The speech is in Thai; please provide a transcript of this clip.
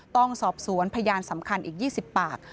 ต้องสอบสวนพยานสำคัญอีก๒๐ปาก